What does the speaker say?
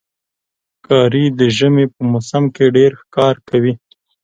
ښکاري د ژمي په موسم کې ډېر ښکار کوي.